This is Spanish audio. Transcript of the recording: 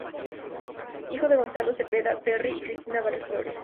Hijo de Gonzalo Zepeda Perry y Cristina Barrios Flores.